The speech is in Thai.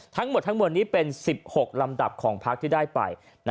ทั้งหมดทั้งมวลนี้เป็น๑๖ลำดับของพักที่ได้ไป